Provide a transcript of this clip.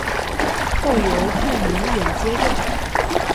后由杜明远接任。